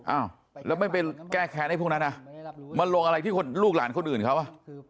อ้าวแล้วไม่ไปแก้แค้นให้พวกนั้นนะมาลงอะไรที่ลูกหลานคนอื่นเขาอ่ะ